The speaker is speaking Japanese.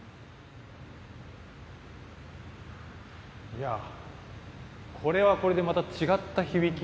いやこれはこれでまた違った響き。